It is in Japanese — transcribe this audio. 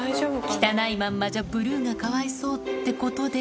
汚いまんまじゃブルーがかわいそうってことで。